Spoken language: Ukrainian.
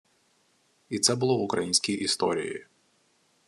І це було в українській історії